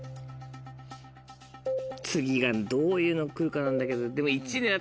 次がどういうの来るかなんだけどでも。